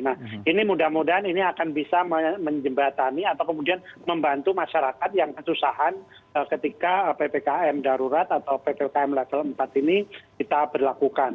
nah ini mudah mudahan ini akan bisa menjembatani atau kemudian membantu masyarakat yang kesusahan ketika ppkm darurat atau ppkm level empat ini kita berlakukan